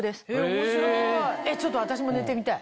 面白いちょっと私も寝てみたい。